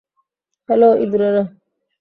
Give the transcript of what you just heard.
Hello, ইঁদুরেরা।